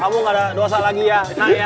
kamu gak ada dosa lagi ya kak ya